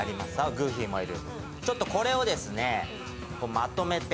グーフィーもいる。